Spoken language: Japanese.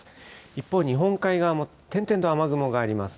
一方、日本海側も点々と雨雲があります。